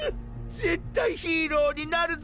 「絶対ヒーローになるぞ！」